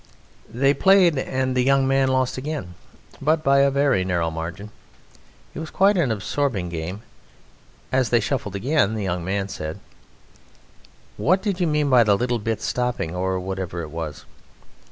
They played and the young man lost again, but by a very narrow margin: it was quite an absorbing game. As they shuffled again the young man said: "What did you mean by the little bits stopping, or whatever it was?"